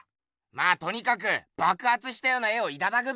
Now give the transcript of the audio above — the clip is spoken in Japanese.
まあとにかくばくはつしたような絵をいただくべよ。